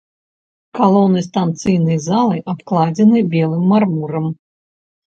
Калоны станцыйнай залы абкладзены белым мармурам.